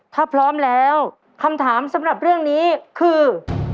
ถ้าพร้อมแล้วคำถามสำหรับเรื่องนี้คือ